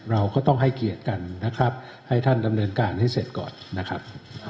เราก็ต้องให้เกียรติกันนะครับให้ท่านดำเนินการให้เสร็จก่อนนะครับ